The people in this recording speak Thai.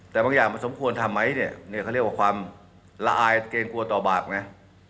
แต่บางอย่างมันสมควรทำไหมเนี่ยเขาเรียกว่าความละอายเกรงกลัวต่อบาปไง